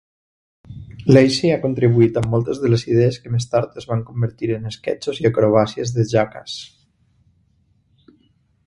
Lacy ha contribuït amb moltes de les idees que més tard es van convertir en esquetxos i acrobàcies de Jackass.